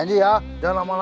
janji ya jangan lama lama